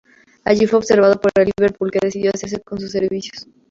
Allí fue observado por el Liverpool, que decidió hacerse con sus servicios.